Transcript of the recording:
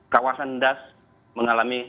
kawasan das mengalami